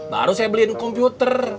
baru saya beliin komputer